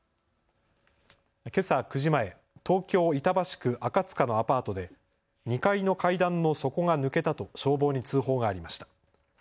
けさ９時前、東京板橋区赤塚のアパートで２階の階段の底が抜けたと消防に通報がありました。